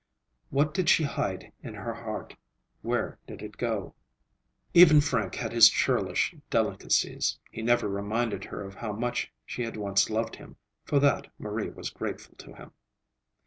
What did she hide in her heart? Where did it go? Even Frank had his churlish delicacies; he never reminded her of how much she had once loved him. For that Marie was grateful to him.